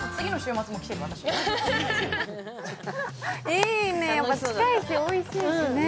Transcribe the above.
いいね、近いし、おいしいしね。